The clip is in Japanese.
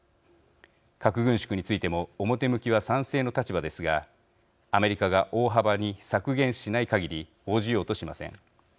核軍縮についても表向きは賛成の立場ですがアメリカが大幅に削減しないかぎり応じようとしません。